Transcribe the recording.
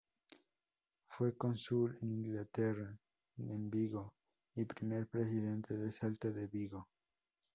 Fue cónsul de Inglaterra en Vigo y primer presidente del Celta de Vigo.